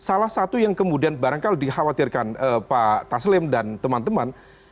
salah satu yang kemudian barangkali dikhawatirkan pak taslim dan teman teman